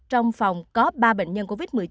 trong phòng có ba bệnh nhân covid một mươi chín